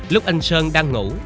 lúc anh sơn đang ngủ